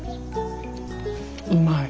うまい。